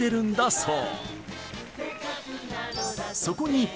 そう